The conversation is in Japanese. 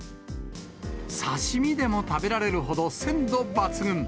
刺身でも食べられるほど鮮度抜群！